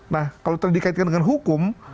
nah kalau terdekatkan dengan hukum